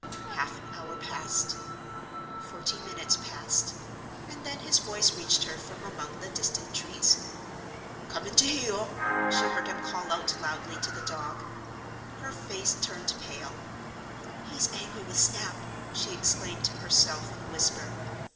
Half an hour passed; forty minutes passed—and then his voice reached her from among the distant trees. "Come in to heel!" she heard him call out loudly to the dog. Her face turned pale. "He's angry with Snap!" she exclaimed to herself in a whisper.